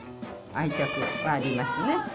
愛着はありますね。